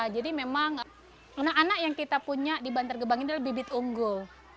jadi memang anak anak yang kita punya di bantar gebang ini adalah bibit unggul